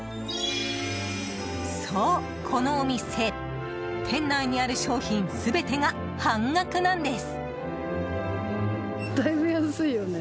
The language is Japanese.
そう、このお店店内にある商品全てが半額なんです。